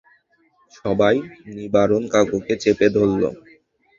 সবাই নিবারণ কাকুকে চেপে ধরল।